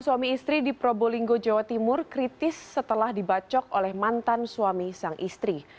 suami istri di probolinggo jawa timur kritis setelah dibacok oleh mantan suami sang istri